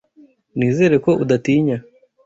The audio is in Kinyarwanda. Nizere ko udatinya.